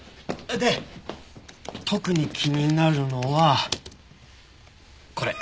で特に気になるのはこれ。